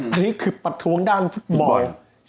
อันนี้คือประท้วงด้านฟุตบอล